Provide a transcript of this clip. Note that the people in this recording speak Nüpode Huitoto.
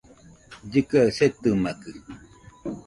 Llɨkɨaɨ setɨmakɨ